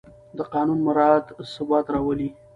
د قانون مراعت ثبات راولي